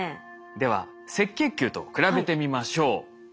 では赤血球と比べてみましょう。